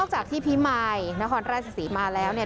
จากที่พิมายนครราชศรีมาแล้วเนี่ย